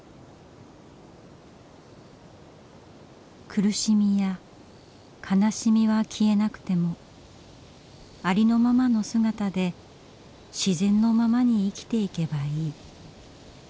苦しみや悲しみは消えなくてもありのままの姿で自然のままに生きていけばいい。